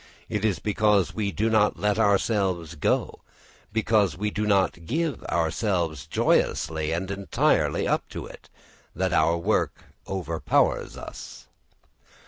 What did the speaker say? It is because we do not let ourselves go, because we do not give ourselves joyously and entirely up to it, that our work overpowers us.